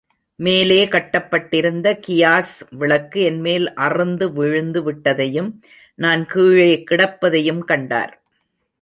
மேலே கட்டப்பட்டிருந்த கியாஸ் விளக்கு என்மேல் அறுந்து விழுந்து விட்டதையும், நான் கீழே கிடப்பதையும் கண்டார்.